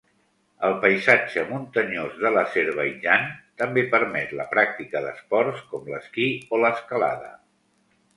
El paisatge muntanyós de l'Azerbaidjan també permet la pràctica d'esports com l'esquí o l'escalada.